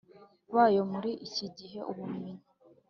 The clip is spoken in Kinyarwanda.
bayo muri iki gihe ubumenyi